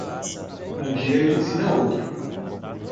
Um dia ele ensina outro.